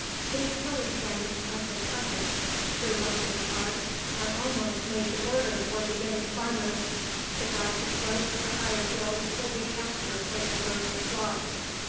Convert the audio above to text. These hilly flanks of the "crescent," through most of its arc, are almost made to order for beginning farmers. The grassy slopes of the higher hills would be pasture for their herds and flocks.